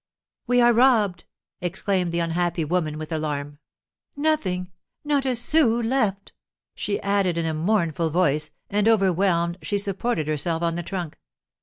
"We are robbed!" exclaimed the unhappy woman, with alarm. "Nothing not a sou left!" she added, in a mournful voice; and, overwhelmed, she supported herself on the trunk.